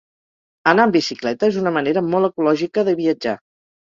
Anar en bicicleta és una manera molt ecològica de viatjar.